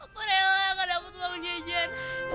aku rela kadang kadang aku tuang jajan